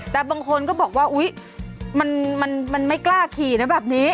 แต่บางคนก็บอกว่าอุ๊ยมันไม่กล้าขี่นะแบบนี้